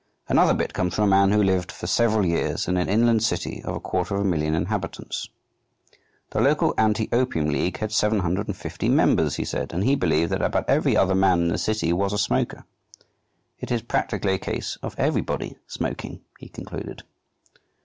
Another bit comes from a man who lived for several years in an inland city of a quarter of a million inhabitants. The local Anti opium League had 750 members, he said and he believed that about every other man in the city was a smoker. "It is practically a case of everybody smoking," he concluded.